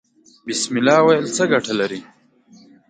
بسم الله ویل څه ګټه لري؟